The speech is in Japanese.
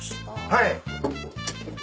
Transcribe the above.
はい！